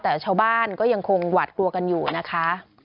แต่ชาวบ้านก็ยังคงหวัดกลัวกันอยู่นะคะ